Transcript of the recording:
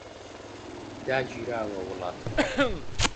داگیراوە وڵاتمان